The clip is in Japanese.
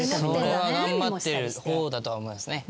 それは頑張ってる方だとは思いますね。